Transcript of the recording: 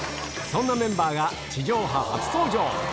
そんなメンバーが、地上波初登場。